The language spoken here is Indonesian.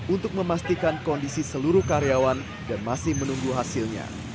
untuk memastikan kondisi seluruh karyawan dan masih menunggu hasilnya